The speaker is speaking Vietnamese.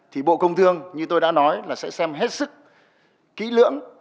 thì bộ công thương như tôi đã nói là sẽ xem hết sức kỹ lưỡng